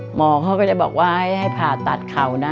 หมอเขาก็จะบอกว่าให้ผ่าตัดเข่านะ